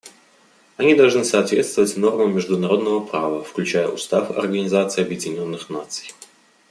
Они должны соответствовать нормам международного права, включая Устав Организации Объединенных Наций.